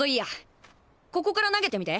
ここから投げてみて。